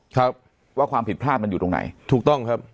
ครับว่าความผิดพลาดมันอยู่ตรงไหนถูกต้องครับ